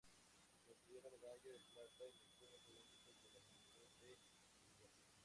Consiguió la medalla de plata en los Juegos Olímpicos de la Juventud en Singapur.